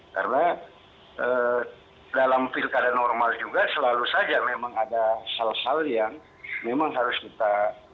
karena dalam pilkada normal juga selalu saja memang ada salah salah yang memang harus kita